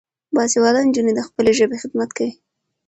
باسواده نجونې د خپلې ژبې خدمت کوي.